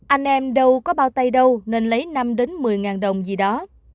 anh em đâu có bao tay đâu nên lấy năm một mươi đồng gì đó